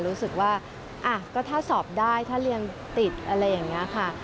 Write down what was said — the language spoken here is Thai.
รู้สึกว่าก็ถ้าสอบได้ถ้าเรียนติดอะไรอย่างนี้ค่ะ